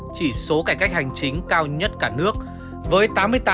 chỉ số cải cách hành chính cao nhất cả nước với tám mươi tám ba mươi ba